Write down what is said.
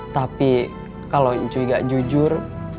tapi kalau cuy gak jujur